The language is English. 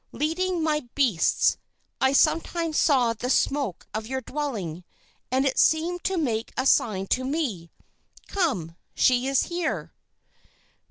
Leading my beasts, I sometimes saw the smoke of your dwelling, and it seemed to make a sign to me: 'Come! She is here!'